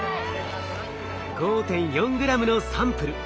５．４グラムのサンプル